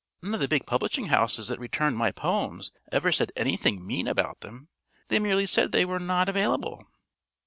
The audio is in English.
"None of the big publishing houses that returned my poems ever said anything mean about them; they merely said they were 'not available.'